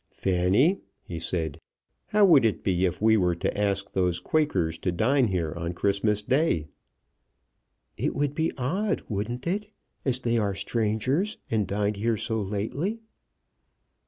"Fanny," he said, "how would it be if we were to ask those Quakers to dine here on Christmas Day?" "It would be odd, wouldn't it, as they are strangers, and dined here so lately?"